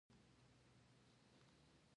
خبره مالومه شوه.